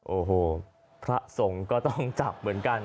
โอ้โหพระสงฆ์ก็ต้องจับเหมือนกัน